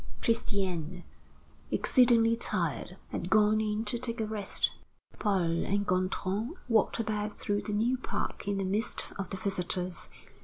Christiane, exceedingly tired, had gone in to take a rest. Paul and Gontran walked about through the new park in the midst of the visitors.